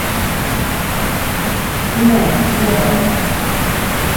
Nē, neder.